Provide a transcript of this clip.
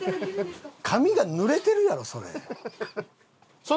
紙がぬれてるやろそれ。